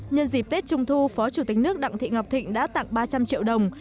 nhân dịp tết trung thu phó chủ tịch nước đặng thị ngọc thịnh đã tặng ba trăm linh triệu đồng